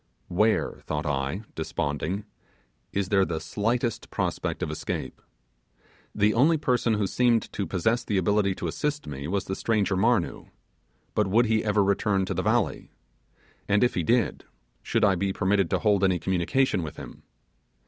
Where, thought I, desponding, is there the slightest prospect of escape? The only person who seemed to possess the ability to assist me was the stranger Marnoo; but would he ever return to the valley? and if he did, should I be permitted to hold any communication with him?